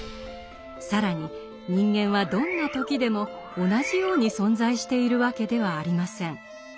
更に人間はどんな時でも同じように存在しているわけではありません。